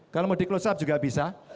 kalau mau di close up juga bisa